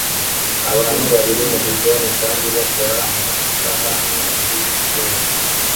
Abantu babiri mu gikoni kandi bakora amasahani muri sikeli